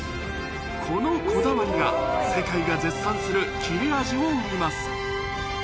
このこだわりが世界が絶賛する切れ味を生みます